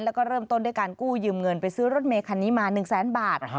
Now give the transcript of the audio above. แล้วก็เริ่มต้นด้วยการกู้ยืมเงินไปซื้อรถเมคันนี้มา๑แสนบาท